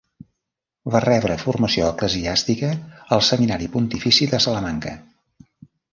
Va rebre formació eclesiàstica al Seminari Pontifici de Salamanca.